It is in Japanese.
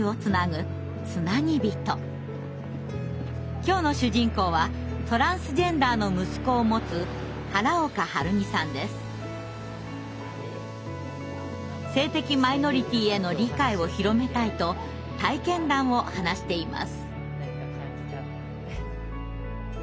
今日の主人公はトランスジェンダーの息子を持つ性的マイノリティーへの理解を広めたいと体験談を話しています。